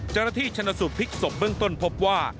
จรฐีชนสุภิกษ์ศพเบื้องต้นพบว่า